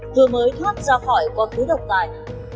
vừa mới thoát ra khỏi quá khứ độc tài